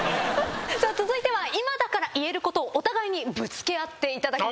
続いては今だから言えることをお互いにぶつけ合っていただきます。